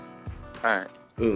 はい。